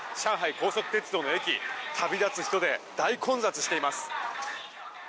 高速鉄道の駅旅立つ人で大混雑しています。